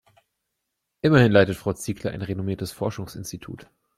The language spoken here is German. Immerhin leitet Frau Ziegler ein renommiertes Forschungsinstitut.